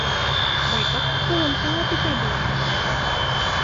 Байтаҡ сығым талап итә былар.